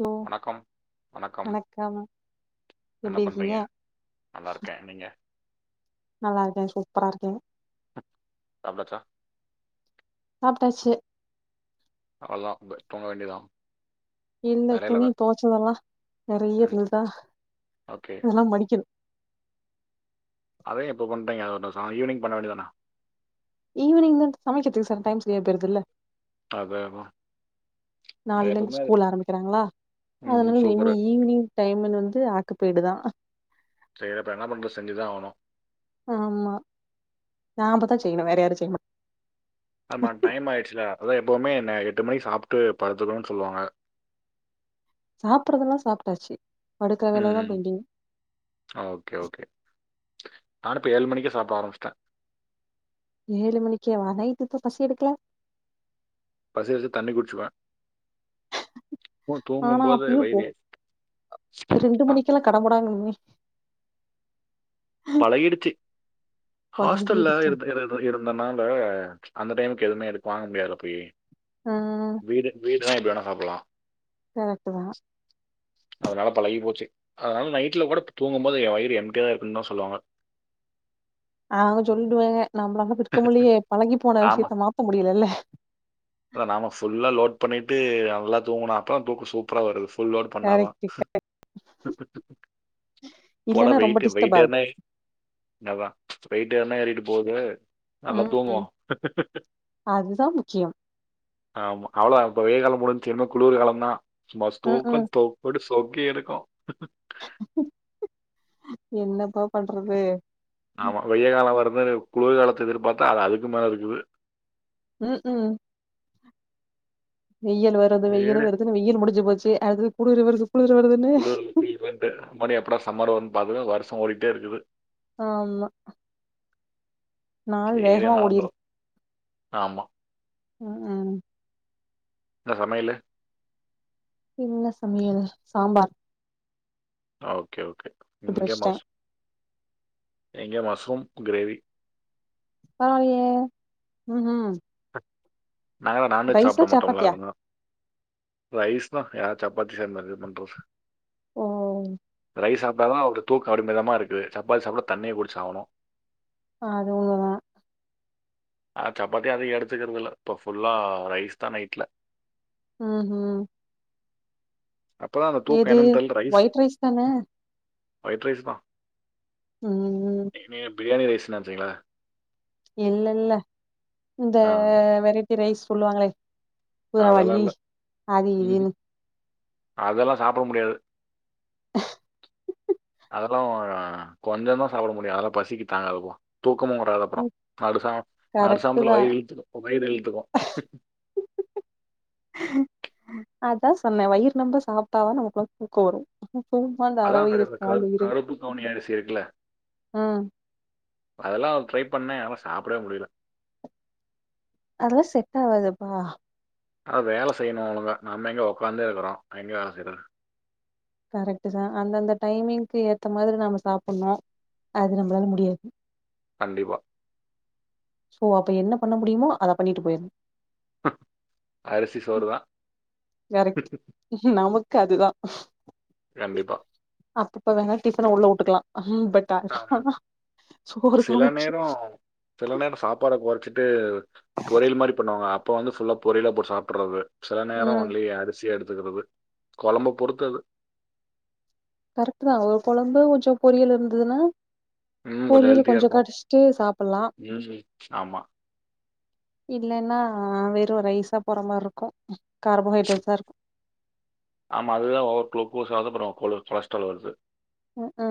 Low வணக்கம் வணக்கம் என்ன எப்டி இருக்கீங்க பண்றீங்க நல்லாருக்கே நீங்க நல்லாருக்கே சூப்பராருக்கே சாப்டாச்சா சாப்ட்டாச்சு அவ்ளோதா படுத்து தூங்க வேண்டியதுதான் இல்ல துணி தொவச்சதெல்லா நெறய ம் இருந்ததா ஓகே அதெல்லா மடிக்கணு அத ஏன் இப்ப பண்றீங்க ஒரு ச ஈவினிங் பண்ண வேண்டிதானா ஈவினிங் தான் சமைக்கிறது சில டைம் சரியா போய்டுதுல்ல அதா அதான் நாளேலருந்து ஸ்கூல் ஆரமிக்கிறாங்ளா ம் ம், அதனால சூப்பர் இனிமே ஈவினிங் டைமன்னு வந்து ஆக்குபெய்டு தான் சேரி அப்ப என்ன பண்றது செஞ்சு தா ஆவணும் ஆமா நாமதா செய்யணும் வேற யாரு செய்ய மாட் ஆமா டைம் ஆயிடுச்சுல அதா எப்போவுமே என்ன எட்டு மணிக்கு சாப்ட்டு படுத்துக்கணும்னு சொல்லுவாங்க [inaudible] சாப்டுறதுெல்லா சாப்ட்டாச்சு படுக்குற வேலதா பெண்டிங் ஆ ஓகே ஓகே நானு இப்ப ஏழு மணிக்கே சாப்ட ஆரம்பிச்சுட்டேன் ஏழு மணிக்கே வா நைட்டுப்ப பசி எடுக்கல பசி வச்சு தண்ணி குடிச்சுக்குவேன் ஓ தூங்கும் ஆனா போது அப்பயு [unintelligible] கீழ கடமுடாங்கு மே பழகிடுச்சு ஹாஸ்டல்ல பழகிடுச்சா இரு இருந்தனால அந்த டைமுக்கு எதுவுமே எதுக்கு வாங்க முடியாதுல போயி ஆ வீடு வீடு இதான் எப்படி வேணா சாப்புடலாம் கரெக்ட்டு தான் அதனால பழகி போச்சு அதனால நைட்டுல கூட தூங்கும் போது என் வயிறு எம்டியா இருக்கு இன்னு சொல்லுவாங்க அவங்க சொல்டுவாங்க நம்மளால இருக்க முடிலயே பழகி போன விஷயத்த மாத்த முடியலல்ல அத நாம ஃபுல்லா லோட் பண்ணிட்டு நல்லா தூங்கண அப்றம் தூக்க சொக் அப்றம் ஒரு ஃபுல் லோட் பண்ணாதா கேரக்டருக்கு போடா இல்லன்னா ரொம்ப வெயிட், டிஸ்டர்ப் வெயிட் ஆகுது ஏறுனா என்னதா வெய்ட்டு ஏறுனா ஏறிட்டு போது நல்லா ம் தூங்குவோம் அதுதான் முக்கியம் ஆமா அவ்ளோ தா இப்ப வெயில்கால முடிஞ்ச்சு இன்னும் குளர் காலம்தா சும்மா ம் ம் தூக்கம் தொக் ட்டு சொக்கி எடுக்கும் என்னப்பா பண்றது ஆமா வெய காலம் வருதுனு குளுர் காலத்த எதிர்பாத்தா அது அதுக்கு மேல இருக்குது ம் ம் வெயல் வருது வெயல் வேறு வருது வெயில் முடிஞ்சு போச்சு அடுத்து குளுர் வருது குளுர் வருதுன்னு குளிரு [unintelligible] மறுபடியும் எப்படா சம்மருன்னு பாக்குறேன் வருஷம் ஓடிக்கிட்டே இருக்குது ஆமா நாள் சரி வேகமா என்ன ஓடிருது பண்றது ஆமா ம் ம் என்ன சமயலு என்ன சமயல் சாம்பார் ஓகே ஓகே போட்டு இங்க வச்சுட்டேன் மஸ் இங்க மஸ்ரூம் கிரேவி பரவாயில்லயே ம் ம் நாங்க தா நான்வெஜ் ரைஸா சாப்ப மாட்டோம்ல சப்பாத்தியா அதான ரைஸ் தா யாரு சப்பாத்தி சேத்து இது பண்றது ஓ ரைஸ் சாப்டாதா ஒரு தூக்கொ அடி மதமா இருக்கு சப்பாத்தி சாப்டா தண்ணிய குடிச்சு ஆவணு அதுவு தா ஆ சப்பாத்தி அதிக எடுத்துக்குறதுல்ல இப்போ ஃபுல்லா ரைஸ் தா நைட்ல ம் ஹும் அப்போ தா அந்த தூக்கொ எது என்னன் தெர்ல ரைஸ் ஒயிட் தானே ஒயிட் ரைஸ் தா ம் நீ நீங்க பிரியாணி ரைஸ் நெனச்சீங்களா இல்ல இல்ல இந்த ஆ வெரைட்டி ரைஸ் சொல்லுவாங்களே அதெல்லாம் ராகி இல்லை அது இதுன்னு அதெல்லா சாப்ட முடியாது [inaudible] அதெல்லா கொஞ்ச தா சாப்ட முடியு அதெல்லா பசிக்கி தாங்காதுப்பா தூக்கமு வராது அப்புற ம் நடுசா கரெக்ட் நடுசாாமத்துல தா வயிறு இழுத்துக்கு வயிறு இழுத்துக்கு அதா சொன்னே வயிறு நெம்ப சாப்ட்டா தா நமக்குல்லா தூக்க வரு அந்த அர அதான் வயிறு அந்த இருக்கு கரு காள் வயிறு கருப்பு கவுனி அரிசி இருக்குல்ல ஆ அதெல்லா ட்ரை பண்ணே ஆனா சாப்டவே முடியில அதெல்லா செட் ஆவாதுப்பா அ வேல செய்ணு ஒழுங்கா நாம எங்கே ஒக்காந்தே இருக்குறோ எங்க வேல செய்றோ கரெக்ட்டு தா அந்தந்த டைமிங்க்கு ஏத்த மாரி நாம சாப்பிட்னு அது நம்பளால முடியாது கண்டிப்பா சோ அப்ப என்ன பண்ண முடியுமோ அத பண்ணிட்டு போயிர்னு அரிசி சோறு தா கரெக்ட் நமக்கு அதுதா கண்டிப்பா அப்பப்ப வேணா டிஃபன உள்ள வுட்டுக்குலா பட் அனா சோறு தா சில முக்கியொ நேரம் சில நேர் சாப்பாட கொறச்சிட்டு பொரியல் மாரி பண்ணுவாங்க அப்போ வந்து ஃபுல்லா பொரியலா போட்டு சாப்புட்றது சில நேரோ ம் ஒன்லி அரிசிய எடுத்துக்குறது கொழம்ப பொறுத்தது கரெக்ட் தா ஒரு கொழம்பு கொஞ்சோ பொரியல் இருந்ததுன்னா ம் கொஞ்சம் பொரியல் ஹெல்த்தியாக கொஞ்சொ இருக்கும் கடிச்சிட்டு சாப்பலா ம் ஆமாம் இல்லைன்னா வெறு ரைஸா போற மார்ருக்கு கார்போஹைட்ரேட்ஸா இருக்கு ஆமா அதுதா ஓவர் குளூக்கோஸ் ஆவுது அப்புறோ கொல கொலஸ்ட்டால் வருது அ அ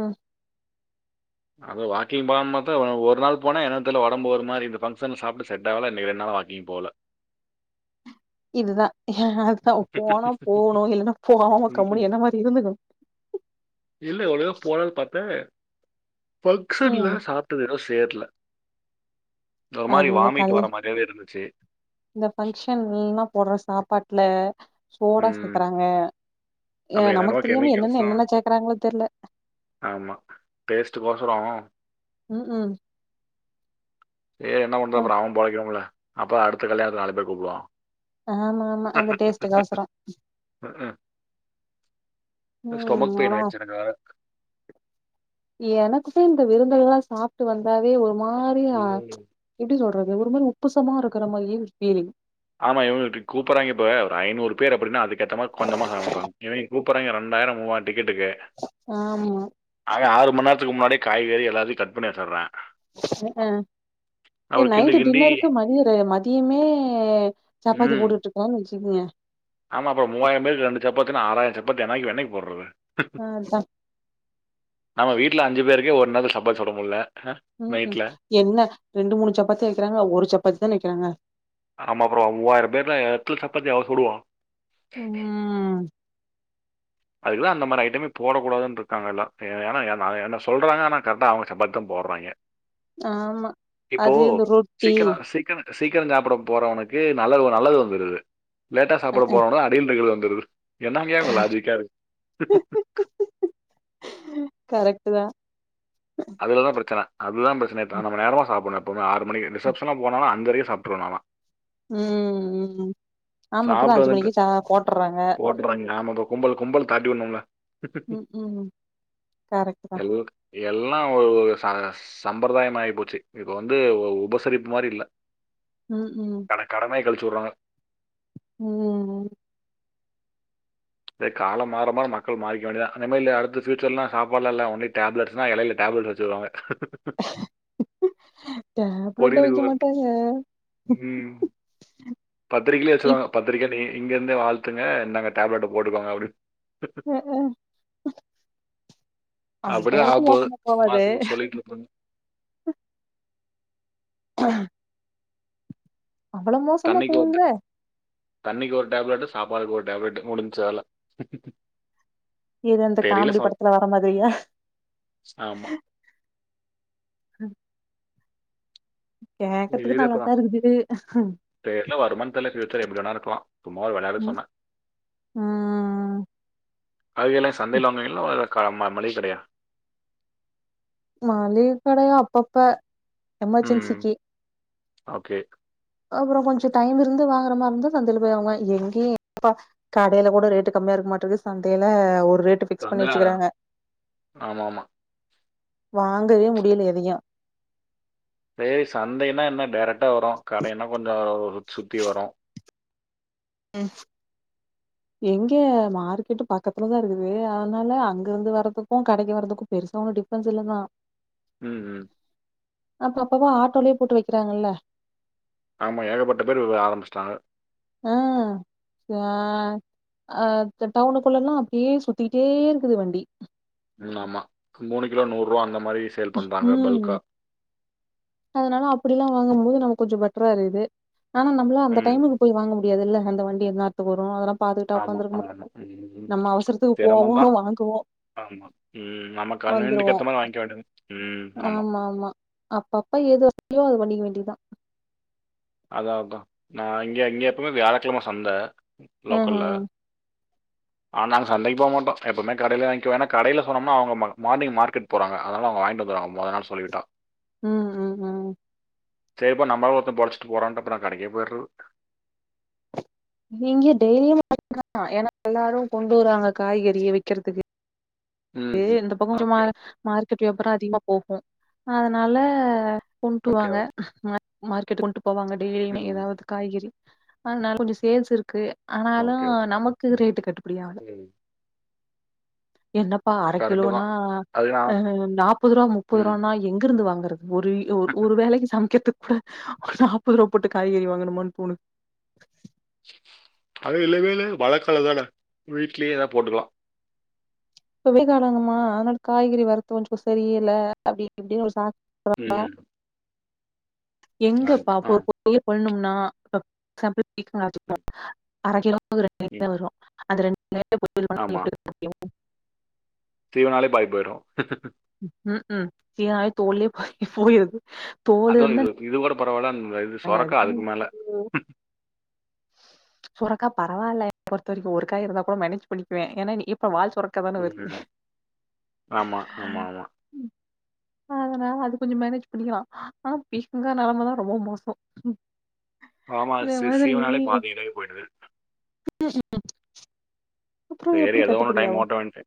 அது வாக்கிங் போலா பாத்தா ஒ ஒரு நாள் போனே என்னன் தெர்ல ஒடம்பு வரு மாரி இருந்தே ஃபங்கஷன்ல சாப்ட்டு செட் ஆகலன் நெனைக்கே ரெண் நாள் வா நீ போல இதுதா அதா போனா போவணு இல்லைன்னா போவாம ம்ஹ்ம். கம்முனு என்ன மாரி இருந்துக்கணு இல்ல எவ்ளோ போலான் பாத்தே ஃபங்க்ஷன்ல ம் சாப் டது ஏதோ சேர்ல ஒரு அது மாரி இந்த வாமிட் கல் வர மாரியாவே இருந்துச்சு இந்த ஃபங்க்ஷன்ல்லீலா போட்ற சாப்பாட்ல சோடா ம். சேக்குறாங்க எ அதான் என்னென்னமோ நமக்கு தெரியாம கெமிக்கல்ஸ் என்னன்ன தான். என்னென்ன சேக்குறாங்களோ தெர்ல ஆமா டேஸ்ட்டு கொசராவு ம் ம் செரி என்ன பண்றது அது அப்றோ அவ பொழைக்கணுமில்ல அப்ப அடுத்த கல்யாணத்துக்கு நாலு பேர் கூப்டுவா ஆமா ஆமா அந்த டேஸ்ட்டுக்கு கொசரோ ம் ம் ஸ்டொமக் பெயின் ஆயிடுச்சு எனக்கு வேற எனக்குதே இந்த விருந்தகல்லா சாப்ட்டு வந்தாவே ஒரு மாரி ஆ ம். எப்டி சொல்றது ஒரு மாரி உப்பசமா இருக்கற மாரியே ஒரு ஃபீலிங் ஆமா இவுங்க கூப்பறாய்ங்க இப்ப ஒரு ஐநூறு பேர் அப்டினா அதுக்கேத்த மாரி கொஞ்சமா சமைப்பாங் இவிங் கூப்புறாய்ங்க ரெண்டாயிர மூவாயிர டிக்கெட்டுக்கு ஆமா அங்க ஆறு மண் நேரத்துக்கு முன்னாடி காய்கறி எல்லத்தையு கட் பண்ணி வச்சற ம்க்ம் ஏ கிண்டி நைட்டு கிண்டி டின்னருக்கு மதிய ரே மதியமே சப்பாத்தி ம். போட்டுட்டு இருக்காங் வச்சுக்குங்க ஆமா அப்புறோ மூவாயிரோ பேருக்கு ரெண்டு சப்பாத்தினா ஆறாயிரோ சப்பாத்தி என்னாய் என்னைக்கு போட்றது ஆ அதா நம்ம வீட்ல அஞ்சு பேருக்கே ஒரு நாள்ள சப்பாத்தி சுட முட்ல ம்க்ம் என்ன ரெண்டு மூணு சப்பாத்தியா வெக்கிறாங்க ஒரு சப்பாத்தி தான வெக்கிறாங்க ஆமா அப்றோ மூவாயிரோ பேர்னா எத்தன சப்பாத்தி அவ சுடுவா ம் அதுக்குதா அந்த மாரி ஐட்டமே போடக் கூடாதுன்ருக்காங்க எல்லா ஏனா எ நா என்ன சொல்றாங்க ஆனா கரெக்டா அவுங்க சப்பாத்தி தா போட்றாய்ங்க ஆமா அது இந்த ரொட்டி சீக்கிரோ சாப்ட போறவனுக்கு நல்லது ஒரு நல்லது வந்துருது லேட்டா அ சாப்புட அ போறனா வெயில் இருக்கறது வந்துருது என்னாங்கயா உங்க லாஜிக்கா இரு கரெக்ட்டு தா அதுல தா பிரச்சன அது தா பிரச்சனயாட்ட நம்ம நேரமா சாப்புட்னு எப்பவுமே ஆறு மணிக்கு ரிசப்ஷன்லா போனாலு அஞ்சரைக்கே சாப்ட்ருவ நாலா ம் ம் ஆமா இப்பதா சாப்ட அஞ்சு வந்துட்டு மணிக்கு சா போட்டுர்றாங்க போட்டுறாய்ங்க ஆமாப்பா கும்பல் கும்பல் தாட்டி வுனும்ள்ள ம் ம் கரெக்ட்டு தா எல் எல்லா ஒரு ஒரு சார சம்பரதாய மாயி போச்சி இப்போ வந்து ஒ உபசரிப்பு மாரி இல்ல ம் ம் அட கடமைய கழிச்சி வுட்றாங்க ம் ம் இதே காலம் மார மார மக்கள் மாரிக்க வேண்டியத்தா அந்த மாரிலா அடுத்த ஃபியூச்சர்லா சாப்பாடு லா இல்ல ஒன்லி டேப்லட்ஸ்னா எலைல டேப்லட் வச்சிருவாங்க டேப்லட் பொரியலுக்கு வெக்க ஒரு மாட்டாங்க ம் ம் பத்திரிக்கைலே வச்சிருவாங்க பத்திரிக்க நீ இங்க இருந்தே வாழ்த்துங்க இந்தாங்க டேப்லெட்ட போட்டுக்கோங்க அப்டின் ம்க்ம் அப்படிதான் அந்தளவுக்கு ஆகப்போகுது. மோசமா போவாது மாத்தி சொல்லிட்டு இருப்பாங்க. அவ்வளோ மோசமா தண்ணிக்கு போகுங்க ஒரு தண்ணிக்கு ஒரு டேப்லெட்டு சாப்பாட்டுக்கு ஒரு டேப்லெட்டு முடிஞ்ச்சி வேல எது அந்த காமெடி படத்துல வர மாதிரியா ஆமா கேக்கறதுக்கு நல்லாதா இருக்குது தெர்ல வருமானு தெர்ல ஃபியூச்சர் எப்டி வேணா இருக்கலா சும்மா ஒரு வெளையாடுக்கு ம் சொன்னே ம் காய்கல்லா சந்தைல வாங்குவீங்களா க ம ம மளிகை கடையா மளிகை கடையா அப்பப்ப ம் எமர்ஜென்சிக்கி ஓகே அப்புறோ கொஞ்ச டைம் இருந்து வாங்குற மாரி இருந்தா சந்தையில போய் வாங்குவ எங்கேயு ப கடைல கூட ரேட்டு் கம்மியா இருக்குமாட்டுருக்கு சந்தைல ஒரு ரேட்டு ஃபிக்ஸ் பண்ணி சந்தையில் வச்சுக்கிறாங்க ஆமா ஆமா வாங்கவே முடில எதையு சேரி சந்தைனா என்ன டேரக்டா வரு கடைனா கொஞ்சோ சுத்தி வரு ம் எங்க மார்க்கெட்டு பக்கத்துல தா இருக்குது அதனால அங்க இருந்து வர்துக்கும் கடைக்கு வரதுக்கு பெருசா ஒன்னு டிஃப்பன்ஸ் இல்லதா ம் ம் அப்ப அப்பவு ஆட்டோலேயே போட்டு வக்கிறாங்கல்ல ஆமா ஏகப்பட்ட பேரு ஆரம்பிச்சிட்டாங்க ம் ஆ அ த டவுனுக்குள்ளல்லா அப்டியே சுத்திக்கிட்டே இருக்குது வண்டி ம் ஆமா மூணு கிலோ நூறுவா அந்த மாரி சேல் பண்றாங்க பல்கா ம். அதனால அப்டிலா வாங்கும்போது நமக்கு கொஞ்ச பெட்டரா இருக்குது ஆனா நம்மள அந்த ம் டைமுக்கு போய் வாங்க முடியாது இல்ல அந்த வண்டிய த்த போறோ அதெல்லா பாத்துக்கிட்டா ஆமா ஒக்காந்துருக்க முடியு ஆமா ம், ம். நம்ம அவசரத்துக்கு போவோ சிரமம்தான் வாங்குவோ ஆமா ம் நமக்கு கண்வீனியன்ட்டு எத்த மாரி வாங்கிக்க வேண்டியதா ம் ஆமா ஆமா அப்ப அப்ப ஏது வசதியோ அத பண்ணிக்க வேண்டியதா அதா ஆவட்டு நா இங்கே அங்கே எப்பவுமே வியாழக்கிழம சந்த லோக்கல்ல ம்ஹ்ம். ஆனா நாங்க சந்தைக்கு போ மாட்டோ எப்பவுமே கடைல வாங்கிக்குவே ஏனா கடைல போனோம்னா அவுங்க மார்னிங் மார்க்கெட் போறாங்க அதனால அவுங்க வாங்கிட்டு வந்துடுவாங்க மொத நாள் சொல்லி விட்டா ம் ம், ம். சேரிப்போ நம்மளாள ஒருத்த பொழச்சிட்டு போறானு அப்ப நா கடைக்கே போயிறது இங்க டெய்லியு [inaudible] ஏனா எல்லாரு கொண்டு வருவாங்க காய்கறிய விக்கிறதுக்கு ம் கு ம் இந்த பக்க சும்மா ஓகே மார்க்கெட் வியாபார அதிகமா போகு அதனால கொண்டு ஓகே வாங்க ஓகே மார் மார்க்கெட்டு கொண்டு போவாங்க டெய்லியு ம் ஏதாவது காய்கறி அதனால கொஞ்ச சேல்ஸ் இருக்கு ஆனாலு ஓகே ஓகே நமக்கு ரேட்டு கட்டுபிடி ஆவல ம் என்னப்பா அர கரெக்டு கிலோனா தான் அது அ நான் நாப்பது ரூபா முப்பது ம் ரூபானா எங்க இருந்து வாங்குறது ஒரு லோ ஒரு வேலைக்கு சமைக்கிறதுக்கு கூட ஒரு நாற்பது ரூபா போட்டு காய்கறி வாங்கனுமானு தோணுது அதுவு இலமேலு மழ காலந்தானே வீட்லயே ஏதா போட்டுக்கலா இப்ப வெயில் காலங்கம்மா அதனால காய்கறி வரத்து கொஞ்ச சரியில்ல அப்டி இப்டின்னு ஒரு சாக் ம் எங்க ஆ பாப்பு ஆ ஒரு பொரியல் பண்ணனும்னா ம் [unintelligible] அரை கிலோ ரெண்டுல பேருக்கு தா ம். வரு அந்த ரெண்டு ஆமா [unintelligible] முடியு தீவனாலே பாதி போயிடு ம் ம் [unintelligible] தோலே போயிருது தோல் அதோ இருந்தா இது இது கூட பரவா இல்ல இது சொரக்கா அதுக்கு மேல ஐயோ சொரக்கா பரவாயில்ல என்ன பொருத்த வரைக்கு ஒரு காய் இருந்தா கூட மேனேஜ் பண்ணிக்குவே ஏனா நீ இப்ப வால் சொர உங்கள ஆமா ஆமா ஆமா அதனால அது கொஞ்ச மேனேஜ் பண்ணிக்கலா ஆனா பீக்கங்க நெலமதா ரொம்ப மோ சோ ஆமா சி சீவனாலே பாதி இலவே போயிடுது அப்புறம் செரி எப்படி எதோ ஒன்னு டைம் கட்டுப்படியாகும்? ஓட்ட வேண்டிய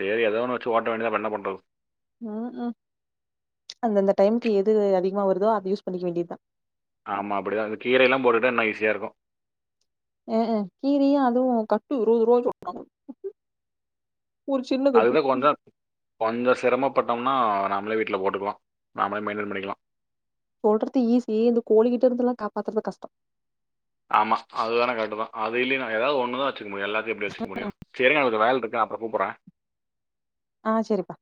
செரி ஏதோ ஒன்னு வச்சு ஓட்ட வேண்டியதா அப்றம் என்ன பண்றது ஆ அ அந்தந்த டைமுக்கு எது அதிகமா வருதோ அத யூஸ் பண்ணிக்க வேண்டியதா ஆமா அப்டிதா அந்த கீரையல்லா போட்டிட்ட இன்னு ஈஸியா இருக்கு அ அ கீரியையு அதுவு கட் இருவதுருவ சொல்றாங் அதுதா கொஞ்ச கொஞ்ச சிரமப்பட்டோம்னா நம்மளே வீட்ல போட்டுக்கலா நம்மளே மெயின்டண் பண்ணிக்கலா சொல்றது ஈஸி இந்த கோழி கிட்டருந்தல்லா காப்பாத்துறது கஷ்டோ ஆமா அதுவேன கரைக்டுதா அது இல்லைனா ஏதாவது ஒண்ணுத வச்சிக்க முடியு எல்லாத்தையு எப்டி வச்சிக்க முடியு செரி இரு நா ஒரு வேலலருக்கு அப்ற கூப்பட்ற ஆ செரிப்பா